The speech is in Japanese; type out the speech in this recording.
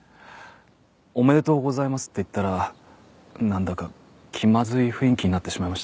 おめでとうございますって言ったらなんだか気まずい雰囲気になってしまいました。